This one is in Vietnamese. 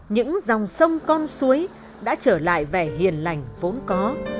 những dòng sông con suối đã trở lại vẻ hiền lành vốn có